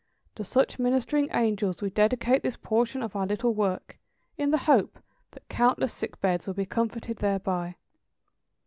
To such ministering angels we dedicate this portion of our little work, in the hope that countless sick beds will be comforted thereby.